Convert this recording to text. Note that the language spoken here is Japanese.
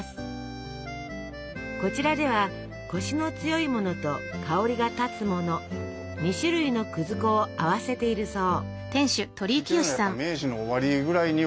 こちらではコシの強いものと香りが立つもの２種類の粉を合わせているそう。